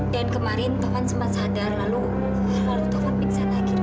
dan kemarin taufan semang sadar lalu taufan biksa lagi dok